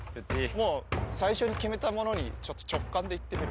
もう最初に決めたものに、ちょっと直感でいってみる。